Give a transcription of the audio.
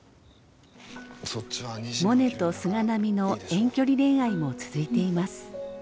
モネと菅波の遠距離恋愛も続いています。